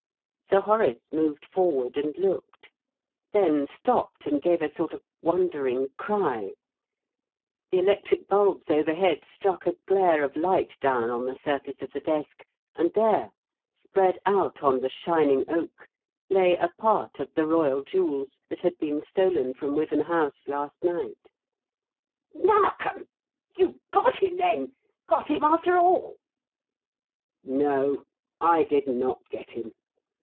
Sir Horace moved forward and looked; then stopped and gave a sort of wondering cry. The electric bulbs overhead struck a glare of light down on the surface of the desk, and there, spread out on the shining oak, lay a part of the royal jewels that had been stolen from Wyvern House last night. "Narkom! You got him, then got him after all?" "No, I did not get him.